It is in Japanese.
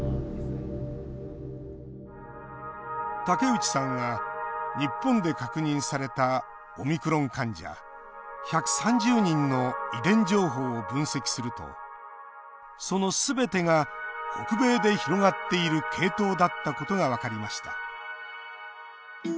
武内さんが日本で確認されたオミクロン患者１３０人の遺伝情報を分析するとそのすべてが北米で広がっている系統だったことが分かりました。